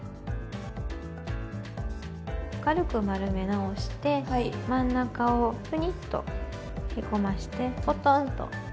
軽く丸め直して真ん中をふにっとへこましてポトンと。